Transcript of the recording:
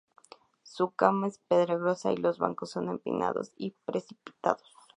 Su cama es pedregosa, y los bancos son empinados y precipitados.